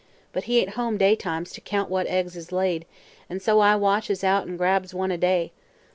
But he ain't home daytimes, to count what eggs is laid, an' so I watches out an' grabs one a day.